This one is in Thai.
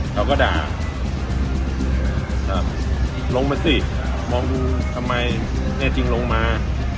เราก็ด่าลงมาสิมองดูทำไมแน่จริงลงมา